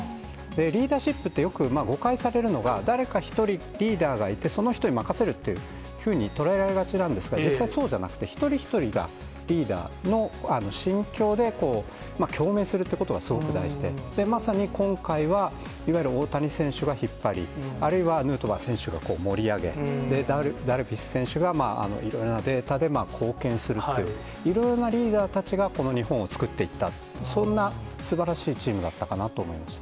リーダーシップって、よく誤解されるのが、誰か一人リーダーがいて、その人に任せるっていうふうに捉えられがちなんですが、実際、そうじゃなくて、一人一人がリーダーの心境で、共鳴するということがすごく大事で、まさに今回は、いわゆる大谷選手が引っ張り、あるいはヌートバー選手が盛り上げ、ダルビッシュ選手がいろいろなデータで貢献するっていう、いろいろなリーダーたちがこの日本を作っていった、そんなすばらしいチームだったかなと思いました。